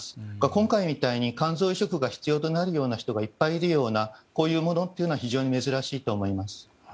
今回みたいに肝臓移植が必要となるような患者がいっぱいいるようなことは珍しいと思います。